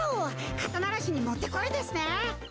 肩慣らしに持ってこいですね。